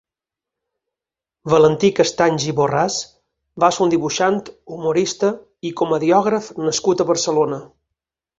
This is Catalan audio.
Valentí Castanys i Borràs va ser un dibuixant, humorista i comediògraf nascut a Barcelona.